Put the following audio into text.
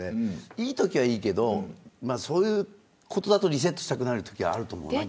いいときはいいけどそういうことだとリセットしたくなるときあると思うんだよね。